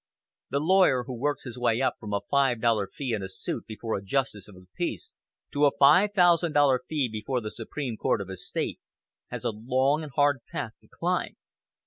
The lawyer who works his way up from a five dollar fee in a suit before a justice of the peace, to a five thousand dollar fee before the Supreme Court of his State, has a long and hard path to climb.